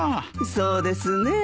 そうですねえ。